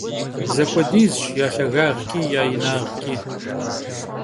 Zexuedizş ya lhagağç'i ya yinağç'i.